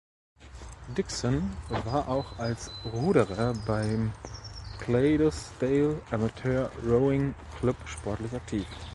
Dickson war auch als Ruderer beim Clydesdale Amateur Rowing Club sportlich aktiv.